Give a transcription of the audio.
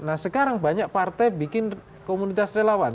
nah sekarang banyak partai bikin komunitas relawan